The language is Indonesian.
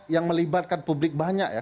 yang melibatkan publik banyak ya